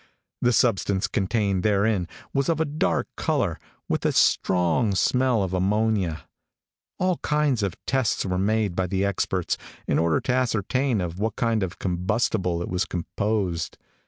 The substance contained therein, was of a dark color, with a strong smell of ammonia. All kinds of tests were made by the experts, in order to ascertain of what kind of combustible it was composed.